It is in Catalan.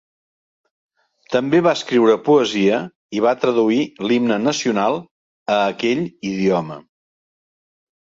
També va escriure poesia i va traduir l'himne nacional a aquell idioma.